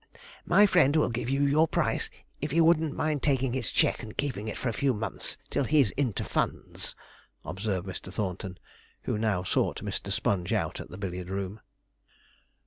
'My friend will give you your price, if you wouldn't mind taking his cheque and keeping it for a few months till he's into funds,' observed Mr. Thornton, who now sought Mr. Sponge out at the billiard room.